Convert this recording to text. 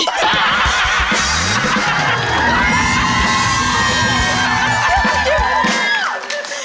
ตาย